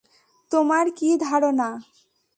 তোমার কি ধারণা?